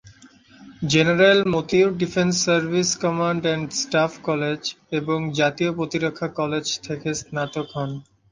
General Matiur defence services command and staff college এবং জাতীয় প্রতিরক্ষা কলেজ থেকে স্নাতক হন।